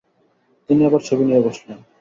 তিনি আবার ছবি নিয়ে বসলেন।